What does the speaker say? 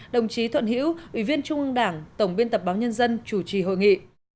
đồng chí thuận hữu ủy viên trung ương đảng tổng biên tập báo nhân dân chủ trì hội nghị